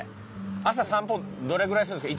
朝散歩どれぐらいするんですか？